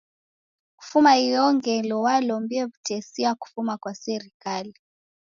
Kufuma iyo ngelo walombie w'utesia kufuma kwa serikali.